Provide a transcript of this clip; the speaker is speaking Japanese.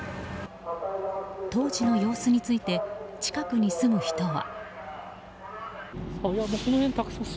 当時の様子について近くに住む人は。